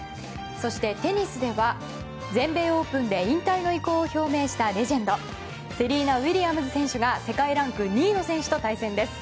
そして、テニスでは全米オープンで引退の意向を表明したレジェンドセリーナ・ウィリアムズ選手が世界ランク２位の選手と対戦です。